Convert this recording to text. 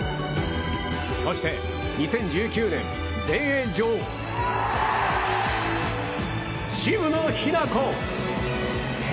そして２０１９年全英女王渋野日向子。